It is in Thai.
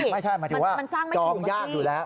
หมายถึงว่าจองยากอยู่แล้ว